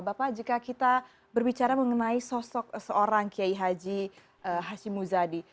bapak jika kita berbicara mengenai sosok seorang kiai haji hashim muzadi